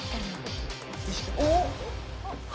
おっ？